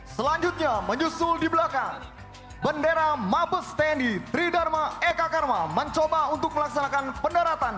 selanjutnya menyusul di belakang bendera mabes tni tridharma eka karma mencoba untuk melaksanakan pendaratan